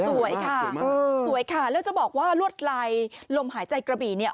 สวยค่ะสวยค่ะแล้วจะบอกว่าลวดลายลมหายใจกระบี่เนี่ย